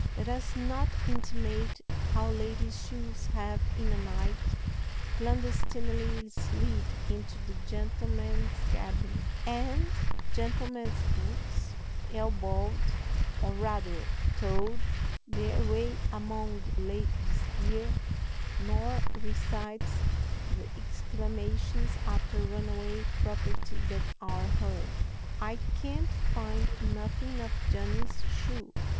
Let us not intimate how ladies' shoes have, in a night, clandestinely slid into the gentlemen's cabin, and gentlemen's boots elbowed, or, rather, toed their way among ladies' gear, nor recite the exclamations after runaway property that are heard. "I can't find nothing of Johnny's shoe!"